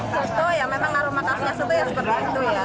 kalau soto ya memang aroma kasnya seperti itu ya